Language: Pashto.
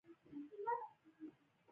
زموږ غنم باید ګاونډیو ته لاړ نشي.